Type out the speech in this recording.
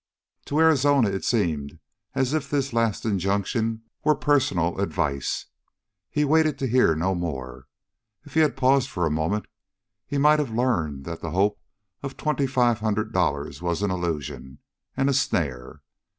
To Arizona it seemed as if this last injunction were personal advice. He waited to hear no more; if he had paused for a moment he might have learned that the hope of twenty five hundred was an illusion and a snare.